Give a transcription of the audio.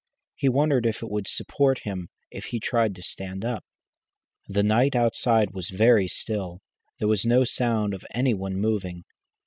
He wondered if it would support him if he tried to stand up. The night outside was very still. There was no sound of any one moving.